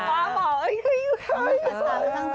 พ่อบอกอยู่ไข้อยู่ขา